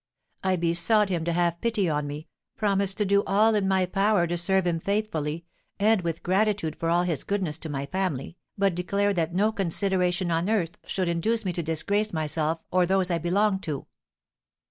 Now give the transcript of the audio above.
I besought him to have pity on me, promised to do all in my power to serve him faithfully, and with gratitude for all his goodness to my family, but declared that no consideration on earth should induce me to disgrace myself or those I belonged to."